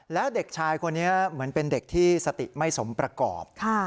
แล้วเด็กชายคนนี้เหมือนเป็นเด็กที่สติไม่สมประกอบ